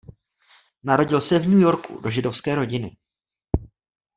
Narodil se v New Yorku do židovské rodiny.